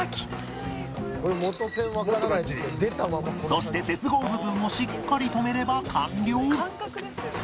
そして接合部分をしっかり留めれば完了